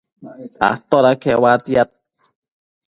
atoda queuatiad?